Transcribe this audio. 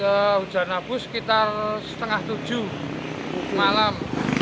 ke hujan abu sekitar setengah tujuh malam